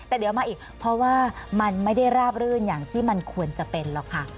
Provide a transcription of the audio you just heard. แต่เดี๋ยวมาอีกเพราะว่ามันไม่ได้ราบรื่นอย่างที่มันควรจะเป็นหรอกค่ะ